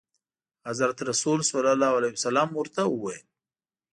حضرت رسول صلعم ورته وویل.